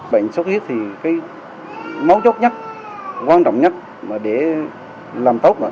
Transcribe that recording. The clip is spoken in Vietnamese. bệnh xuất huyết thì cái mấu chốt nhất quan trọng nhất để làm tốt